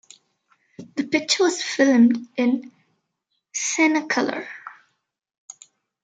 The picture was filmed in Cinecolor.